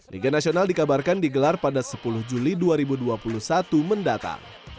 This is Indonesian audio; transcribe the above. liga nasional dikabarkan digelar pada sepuluh juli dua ribu dua puluh satu mendatang